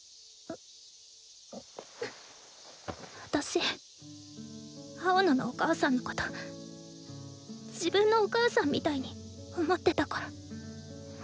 私青野のお母さんのこと自分のお母さんみたいに思ってたから。